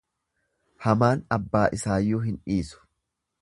Hamaan abbaa isaayyuu hin dhiisu.